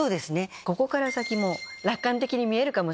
ここから先も楽観的に見えるかもしれません。